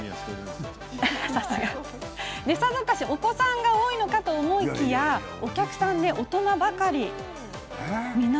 さぞかしお子さんが多いかと思いきやお客さんは大人ばかりですね。